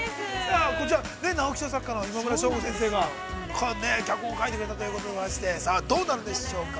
◆こちら、直木賞作家の今村翔吾先生が、脚本を書いてくれたということでございましてさあ、どうなるんでしょうか。